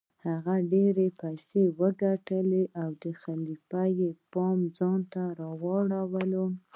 هغه ډیرې پیسې وګټلې او د خلیفه پام یې ځانته راواړوه.